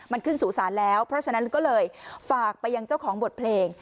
มันขึ้นสู่ศาลแล้วเพราะฉะนั้นก็เลยฝากไปยังเจ้าของบทเพลง